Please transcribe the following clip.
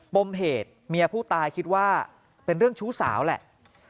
มเหตุเมียผู้ตายคิดว่าเป็นเรื่องชู้สาวแหละ